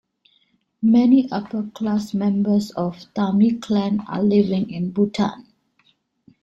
Many upper class members of Thami clan are living in Bhutan.